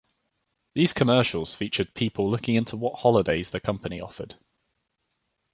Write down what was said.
These commercials featured people looking into what holidays the company offered.